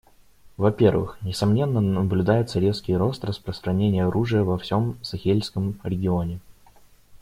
Во-первых, несомненно, наблюдается резкий рост распространения оружия во всем Сахельском регионе.